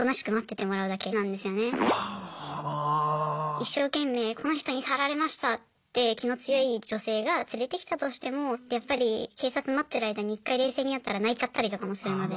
一生懸命「この人に触られました」って気の強い女性が連れてきたとしてもやっぱり警察待ってる間に一回冷静になったら泣いちゃったりとかもするので。